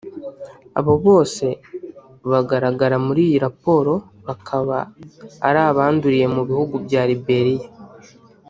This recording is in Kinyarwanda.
Aba bose bagaragara muri iyi raporo bakaba ari abanduriye mu bihugu bya Liberia